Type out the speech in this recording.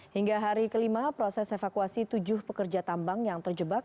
hingga hari kelima proses evakuasi tujuh pekerja tambang yang terjebak